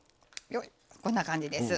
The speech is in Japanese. こんな感じです。